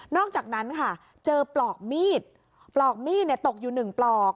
อกจากนั้นค่ะเจอปลอกมีดปลอกมีดตกอยู่๑ปลอก